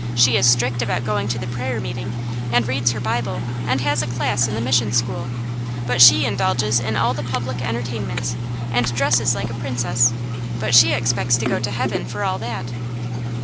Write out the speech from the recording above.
she is strict about going to the prayer meeting, and reads her Bible, and has a class in the Mission school, but she indulges in all the public entertainments, and dresses like a prin cess ; but she expects to go to heaven for all that."